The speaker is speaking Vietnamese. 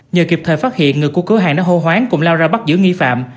nhờ kịp thời phát hiện người của cửa hàng đã hô hoán cũng lao ra bắt giữa nghi phạm